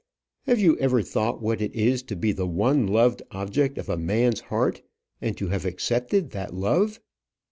Have you ever thought what it is to be the one loved object of a man's heart, and to have accepted that love?"